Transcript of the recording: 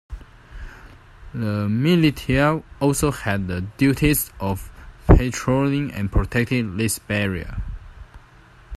The militia also had the duties of patrolling and protecting this barrier.